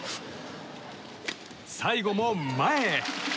最後も、前！